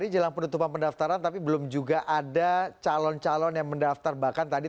jelang penutupan pendaftaran